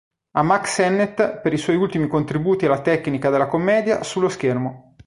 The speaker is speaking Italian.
A Mack Sennett per i suoi ultimi contributi alla tecnica della commedia sullo schermo.